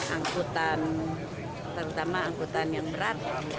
angkutan terutama angkutan yang berat